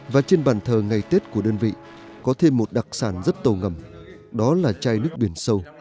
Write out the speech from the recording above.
và trên bàn thờ ngày tết của đơn vị có thêm một đặc sản rất tàu ngầm đó là chai nước biển sâu